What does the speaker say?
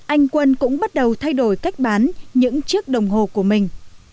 anh quân cũng bắt đầu thay đổi cách bán những chiếc đồng hồ của mình